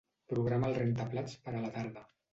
Programa el rentaplats per a la tarda.